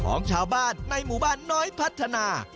ของชาวบ้านในหมู่บ้านน้อยพัฒนา